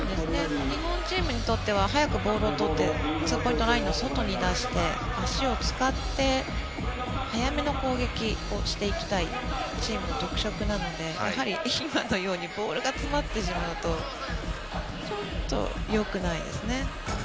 日本チームにとっては早くボールを取ってツーポイントラインの外に出して足を使って速めの攻撃をしていきたいというチームの特色なので今のようにボールが詰まってしまうとちょっとよくないですね。